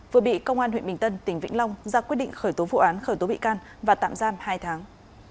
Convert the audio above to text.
vừa bị công an huyện bình tân tỉnh vĩnh long ra quyết định khởi tố vụ án khởi tố bị can và tạm giam hai tháng